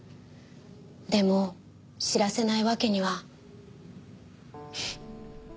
でも知らせないわけには。